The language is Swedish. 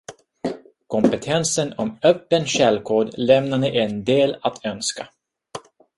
Kompetensen om öppen källkod lämnade en del att önska